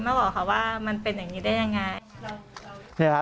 บอกค่ะว่ามันเป็นอย่างนี้ได้ยังไง